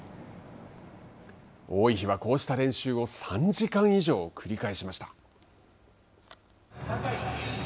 多い日はこうした練習を３時間以上繰り返しました。